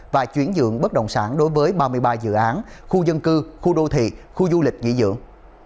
và chuyển dựng bất động sản đối với ba mươi ba dự án khu dân cư khu đô thị khu du lịch nghỉ dưỡng